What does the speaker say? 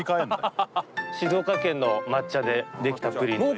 静岡県の抹茶で出来たプリンという。